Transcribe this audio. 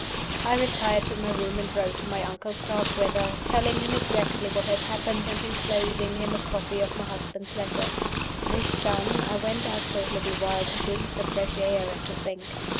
I retired to my room and wrote to my uncle Starkweather, telling him exactly what had happened, and inclosing him a copy of my husband's letter. This done, I went out for a little while to breathe the fresh air and to think.